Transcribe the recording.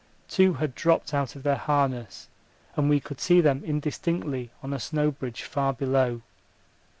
Two had dropped out of their harness, and we could see them indistinctly on a snow bridge far below.